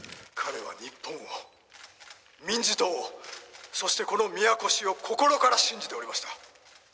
「彼は日本を民自党をそしてこの宮越を心から信じておりました」